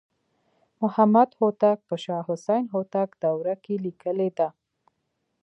محمدهوتک په شاه حسین هوتک دوره کې لیکلې ده.